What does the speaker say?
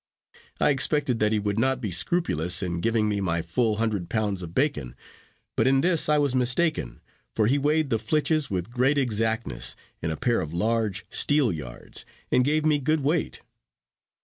I expected that he would not be scrupulous in giving me my full hundred pounds of bacon: but in this I was mistaken; for he weighed the flitches with great exactness, in a pair of large steelyards, and gave me good weight.